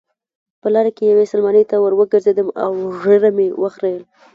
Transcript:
په لاره کې یوې سلمانۍ ته وروګرځېدم او ږیره مې وخریل.